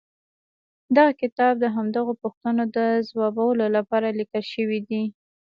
دغه کتاب د همدغو پوښتنو د ځوابولو لپاره ليکل شوی دی.